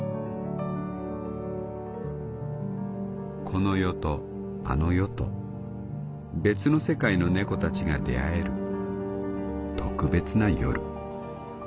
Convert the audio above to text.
「この世とあの世と別の世界の猫たちが出会える特別な夜。